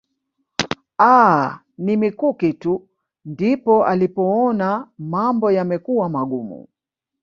Aah ni mikuki tu ndipo alipoona mambo yamekuwa magumu